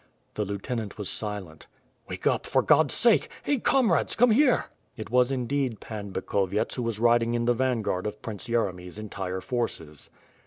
The lieutenant was silent. "Wake up, for God's sake! Hey, comrades, come here!" It was indeed Pan Bikhovyets who was riding in the van guard of Prince Yeremy's entire forces.